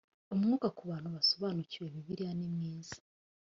umwuka ku bantu basobanukiwe bibiliya nimwiza